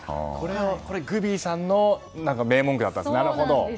これはグビーさんの名文句だったわけですね。